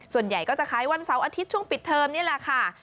ส่วนใหญ่ก็จะขายวันเสาร์อาทิตย์ช่วงปิดเทอมนี่แหละค่ะ